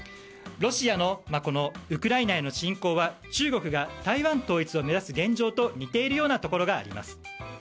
ロシアのウクライナへの侵攻は中国が台湾統一を目指す現状と似ているようなところがあります。